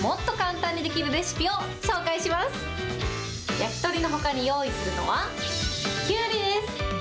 焼き鳥のほかに用意するのは、きゅうりです。